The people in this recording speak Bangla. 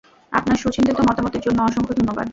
আপনার সুচিন্তিত মতামতের জন্য অসংখ্য ধন্যবাদ।